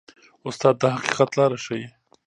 استاد د حقیقت لاره ښيي.